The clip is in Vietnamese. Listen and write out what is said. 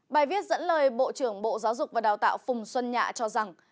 bài viết dẫn lời bộ trưởng bộ giáo dục và đào tạo phùng xuân nhạ cho rằng